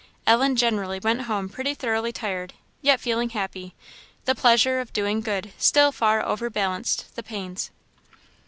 Ellen generally went home pretty thoroughly tired, yet feeling happy; the pleasure of doing good still far overbalanced the pains.